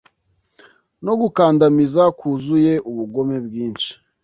no gukandamiza kuzuye ubugome bwinshi